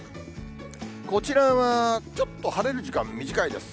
こちらはちょっと晴れる時間短いです。